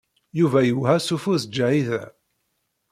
Yuba iwehha s ufus Ǧahida.